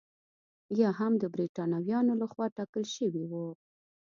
یا هم د برېټانویانو لخوا ټاکل شوي وو.